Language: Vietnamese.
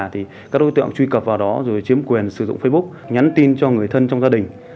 thì các đối tượng truy cập vào đó rồi chiếm quyền sử dụng facebook nhắn tin cho người thân trong gia đình